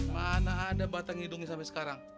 mana ada batang hidungnya sampai sekarang